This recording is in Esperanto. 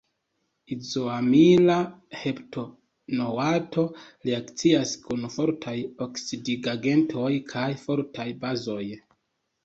Izoamila heptanoato reakcias kun fortaj oksidigagentoj kaj fortaj bazoj.